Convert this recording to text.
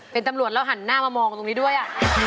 เป็นตำรวจแล้วหันหน้ามามองตรงนี้ด้วย